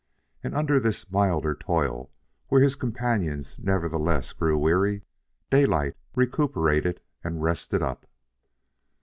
And under this milder toil, where his companions nevertheless grew weary, Daylight recuperated and rested up.